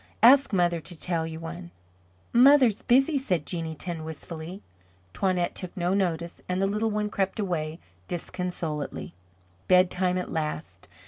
"Ask mother to tell you one." "Mother's busy," said Jeanneton wistfully. Toinette took no notice and the little one crept away disconsolately. Bedtime at last.